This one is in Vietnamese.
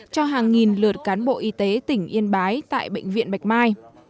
cho hàng nghìn lượt cán bộ y tế tỉnh yên bái tại bệnh viện bạch mai